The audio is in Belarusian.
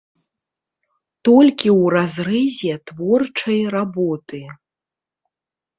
Толькі ў разрэзе творчай работы.